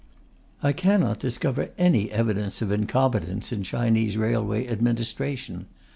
I cannot discover any evidence of incompetence in Chinese railway administration.